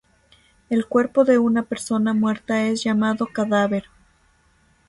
El cuerpo de una persona muerta es llamado cadáver.